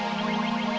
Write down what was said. aku mau nanggur